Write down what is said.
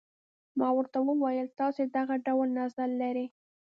ما ورته وویل تاسي دغه ډول نظر لرئ.